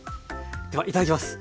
ではいただきます。